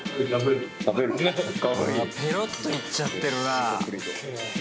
ペロッといっちゃってるなあ。